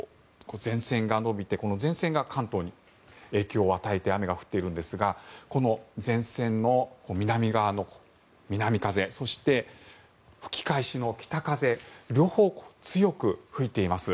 、前線が延びて前線が関東に影響を与えて雨が降っているんですがこの前線の南風そして吹き返しの北風両方強く吹いています。